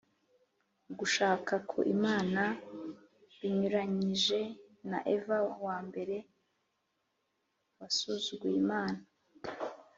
ugushaka ku imana, binyuranyije na eva wa mbere wasuzuguye imana